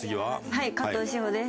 はい加藤史帆です。